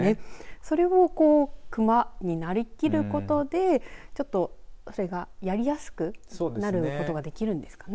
それを、くまになりきることでちょっとそれがやりやすくなることができるんですかね。